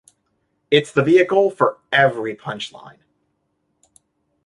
It's the vehicle for every punchline.